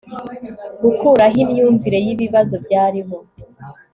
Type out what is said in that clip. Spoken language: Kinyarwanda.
gukurahi imyumvire y'ibibazo byariho